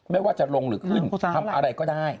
ไม่ว่าจะลงหรือขึ้นทำอะไรก็ได้